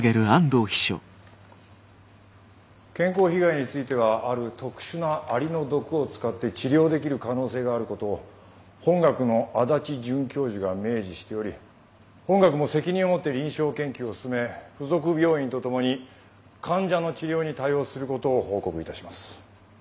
健康被害についてはある特殊なアリの毒を使って治療できる可能性があることを本学の足立准教授が明示しており本学も責任を持って臨床研究を進め附属病院と共に患者の治療に対応することを報告いたします。